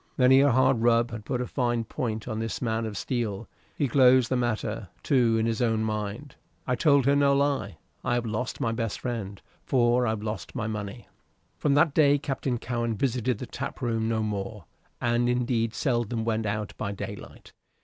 Many a hard rub had put a fine point on this man of steel. He glozed the matter, too, in his own mind. "I told her no lie. I have lost my best friend, for I've lost my money." From that day Captain Cowen visited the tap room no more, and indeed seldom went out by daylight.